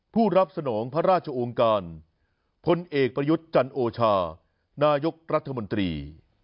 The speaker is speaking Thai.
ผู้รับสนองพระราชองค์การพลเอกประยุทธ์จันโอชานายกรัฐมนตรี